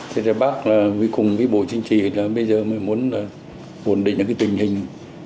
thế thì bác với cùng với bộ chính trị bây giờ mới muốn bổn định tình hình